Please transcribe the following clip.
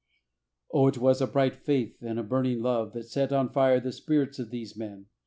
Oh, it was a bright faith and a burning love that set on fire the spirits of these men !